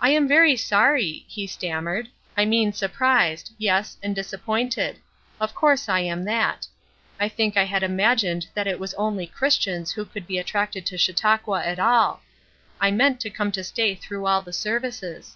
"I am very sorry," he stammered. "I mean surprised. Yes, and disappointed. Of course I am that. I think I had imagined that it was only Christians who could be attracted to Chautauqua at all; I meant to come to stay through all the services."